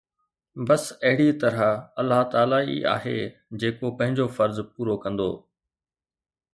بس اهڙي طرح الله تعاليٰ ئي آهي جيڪو پنهنجو فرض پورو ڪندو